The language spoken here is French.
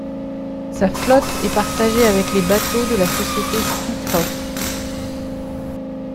Sa flotte est partagée avec les bateaux de la société Spliethoff.